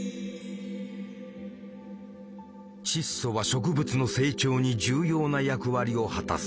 窒素は植物の成長に重要な役割を果たす。